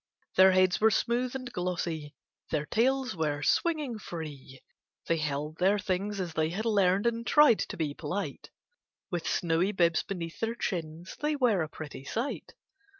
Their heads were smooth and glossy, their tails were swinging free ; A BOOK OF TALES 77 They held their things as they had learned, and tried to be polite ; With snowy bibs beneath their chins they were a pretty sight.